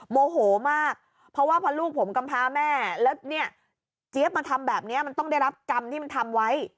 โมโหมากเพราะว่าพอลูกผมกำพาแม่แล้วเนี่ยเจี๊ยบมาทำแบบนี้มันต้องได้รับกรรมที่มันทำไว้